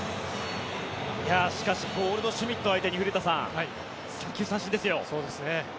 しかしゴールドシュミット相手に古田さん、３球三振ですよ。